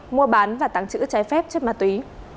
mua bán và tàng trữ trái phép chất ma túy